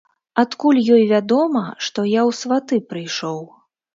Адкуль ёй вядома, што я ў сваты прыйшоў?